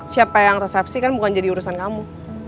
siapa yang resepsi kan bukan jadi urusan kamu